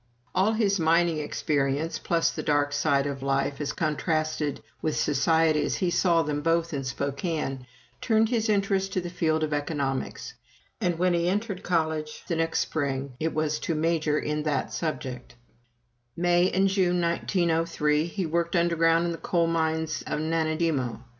All his mining experience, plus the dark side of life, as contrasted with society as he saw them both in Spokane, turned his interest to the field of economics. And when he entered college the next spring, it was to "major" in that subject. May and June, 1903, he worked underground in the coal mines of Nanaimo.